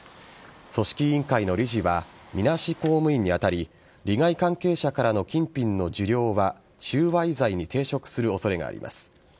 組織委員会の理事はみなし公務員に当たり利害関係者からの金品の受領は収賄罪に抵触する恐れがあります。